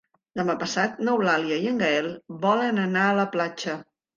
Demà passat n'Eulàlia i en Gaël volen anar a la platja.